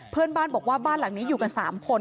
เพื่อนบ้านบอกว่าบ้านหลังนี้อยู่กัน๓คน